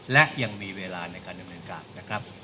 และยังมีเวลาในการดำเนินการนะครับ